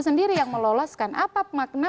sendiri yang meloloskan apa makna